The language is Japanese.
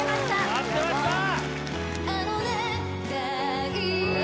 待ってましたー！